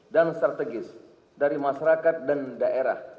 dan strategis dari masyarakat dan daerah